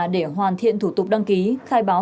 để hoàn thiện thủ tục đăng ký khai báo